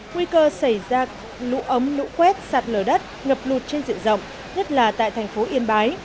nguy cơ xảy ra lũ ống lũ quét sạt lở đất ngập lụt trên diện rộng nhất là tại thành phố yên bái